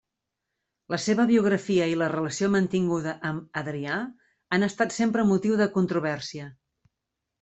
La seva biografia i la relació mantinguda amb Adrià han estat sempre motiu de controvèrsia.